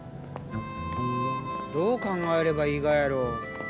どう考えればいいがやろう。